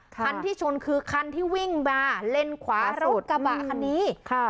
คันที่ชนคือคันที่วิ่งมาเลนขวารถกระบะคันนี้ค่ะ